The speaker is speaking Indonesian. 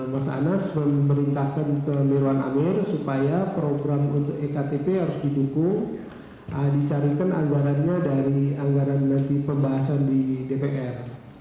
mas anas memerintahkan ke mirwan amir supaya program untuk ektp harus didukung dicarikan anggarannya dari anggaran nanti pembahasan di dpr